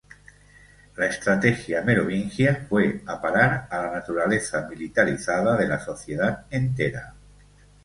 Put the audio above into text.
La estrategia merovingia fue a parar a la naturaleza militarizada de la sociedad entera.